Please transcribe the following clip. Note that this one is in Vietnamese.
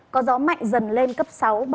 có gió mạnh dần lên cấp sáu bảy